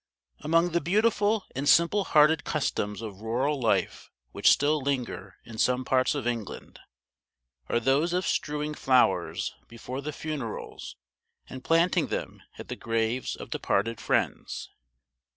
AMONG the beautiful and simple hearted customs of rural life which still linger in some parts of England are those of strewing flowers before the funerals and planting them at the graves of departed friends.